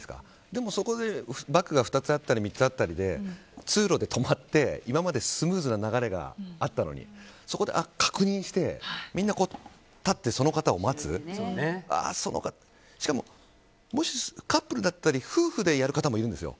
でも、そこでバッグが２つあったり３つあったりで通路で止まって今までのスムーズな流れがあったのにそこで確認してみんなたってその方を待つしかもカップルだったり夫婦でやる方もいるんですよ。